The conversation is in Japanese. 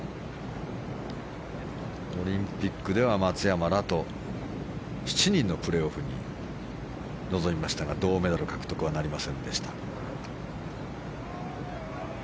オリンピックでは松山らと７人のプレーオフに臨みましたが、銅メダル獲得はなりませんでした。